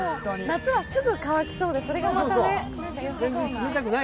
夏はすぐ乾きそうで、それがまたよさそうな。